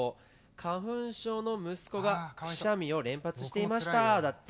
「花粉症の息子がくしゃみを連発していました」だって。